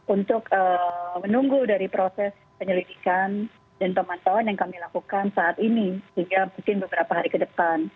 untuk menunggu dari proses penyelidikan dan pemantauan yang kami lakukan saat ini sehingga mungkin beberapa hari ke depan